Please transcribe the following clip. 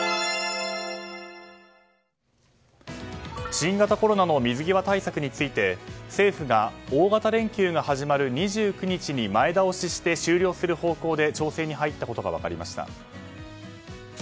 新型コロナの水際対策について政府が大型連休が始まる２９日に前倒しして終了する方向で調整に入ったことが分かりました。